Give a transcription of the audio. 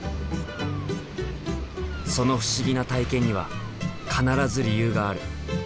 その不思議な体験には必ず理由がある。